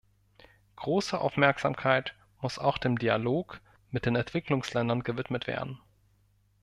Große Aufmerksamkeit muss auch dem Dialog mit den Entwicklungsländern gewidmet werden.